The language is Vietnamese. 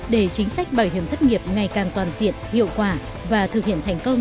để chính sách bảo hiểm thất nghiệp ngày càng toàn diện hiệu quả và thực hiện thành công